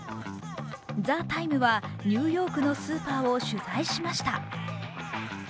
「ＴＨＥＴＩＭＥ，」はニューヨークのスーパーを取材しました。